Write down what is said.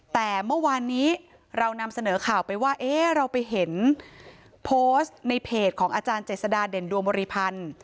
แต่เมื่อวานนี้เรานำเสนอข่าวไปว่าเอ๊ะเราไปเห็นโพสต์ในเพจของอาจารย์เจษฎาเด่นดวงบริพันธ์